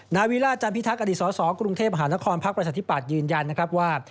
นาวิลาจันทร์พิทักษ์อดีตสอกรุงเทพมหานครพรรษนิปัตย์ยืนยันว่า